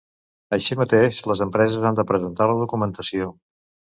Així mateix, les empreses han de presentar la documentació.